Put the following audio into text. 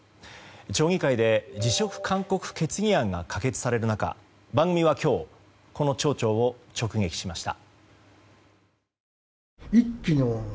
町議会で辞職勧告決議案が可決される中番組は今日この町長を直撃しました。